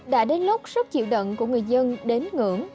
đã đến lúc sức chịu đựng của người dân đến ngưỡng